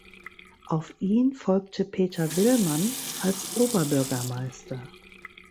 Auf ihn folgte Peter Willmann als Oberbürgermeister.